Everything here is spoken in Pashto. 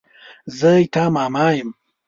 زه ستا ماما يم.